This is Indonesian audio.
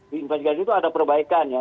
diinvestasi itu ada perbaikan ya